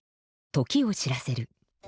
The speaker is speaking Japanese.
時を知らせる。